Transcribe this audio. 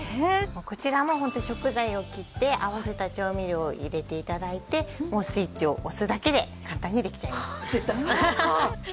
こちらも食材を切って合わせた調味料を入れて頂いてもうスイッチを押すだけで簡単にできちゃいます。